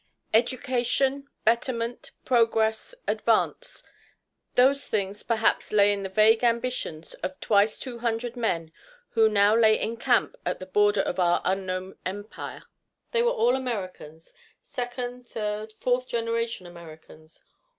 Education, betterment, progress, advance those things perhaps lay in the vague ambitions of twice two hundred men who now lay in camp at the border of our unknown empire. They were all Americans second, third, fourth generation Americans.